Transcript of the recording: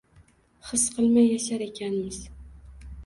his qilmay yashar ekanmiz.